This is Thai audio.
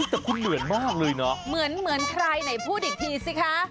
แต่คุณเหลือนมากเลยเนอะเหมือนใครหน่อยพูดอีกทีสิคะ